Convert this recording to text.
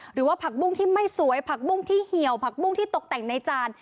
หรือว่าผักบุ้งที่ไม่สวยผักบุ้งที่เหี่ยวผักบุ้งที่ตกแต่งในจาน